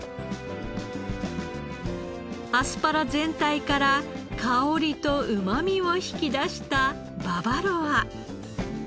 アスパラ全体から香りとうまみを引き出したババロア。